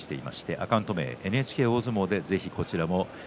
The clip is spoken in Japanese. アカウント名はＮＨＫ大相撲です。